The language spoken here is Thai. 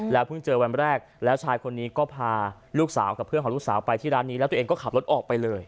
เพิ่งเจอวันแรกแล้วชายคนนี้ก็พาลูกสาวกับเพื่อนของลูกสาวไปที่ร้านนี้แล้วตัวเองก็ขับรถออกไปเลย